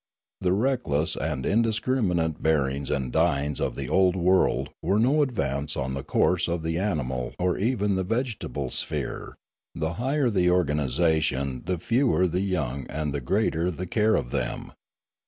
The reckless and indiscriminate bearings and dyings of the old world were no advance on the course of the animal or even the vegetable sphere; the higher the organisation the fewer the young and the greater the care of them.